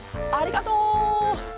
ありがとう！